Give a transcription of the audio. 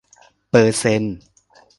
เปอร์เซนต์